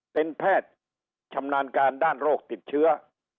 เป็นแพทย์ชำนาญการด้านโรคติดเชื้อ